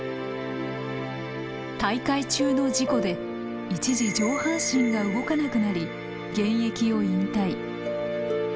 大会中の事故で一時上半身が動かなくなり現役を引退。